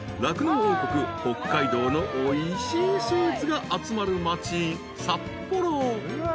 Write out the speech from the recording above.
北海道のおいしいスイーツが集まる町札幌］